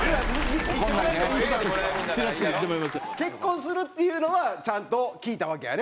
結婚するっていうのはちゃんと聞いたわけやね？